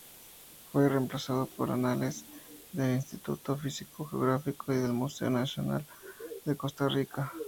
Fue reemplazada por "Anales del Instituto Físico-Geográfico y del Museo Nacional de Costa Rica".